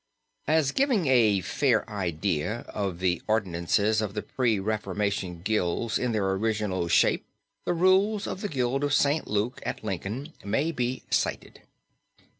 As giving a fair idea of the ordinances of the pre Reformation guilds in their original shape the rules of the Guild of St. Luke at Lincoln, may be cited.